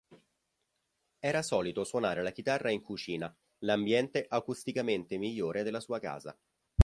Era solito suonare la chitarra in cucina, l'ambiente acusticamente migliore della sua casa.